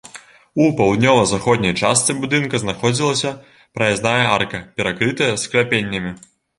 У паўднёва-заходняй частцы будынка знаходзілася праязная арка, перакрытая скляпеннямі.